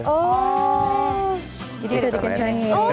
oh bisa dikencangin